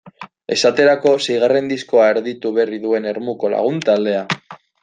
Esaterako, seigarren diskoa erditu berri duen Ermuko lagun taldea.